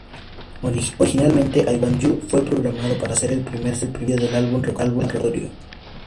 Originalmente, "I Want You" fue programado para ser el primer sencillo del álbum recopilatorio.